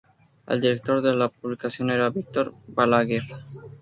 El director de la publicación era Víctor Balaguer.